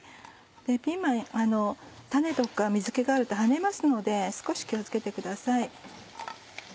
ピーマン種とか水気があると跳ねますので少し気を付けてください。